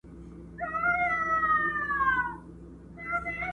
تمه نه وه د پاچا له عدالته!